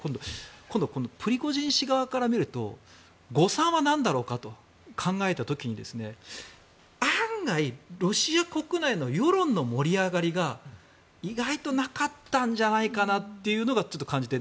今度はプリゴジン氏側から見ると誤算は何だろうかと考えた時に案外、ロシア国内の世論の盛り上がりが意外となかったんじゃないかなっていうのをちょっと感じて。